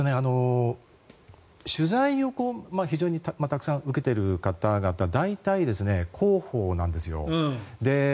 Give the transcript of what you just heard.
取材をたくさん受けている方々大体、候補なんですよ。